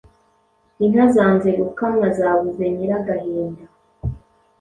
inka zanze gukamwa zabuze Nyiragahinda,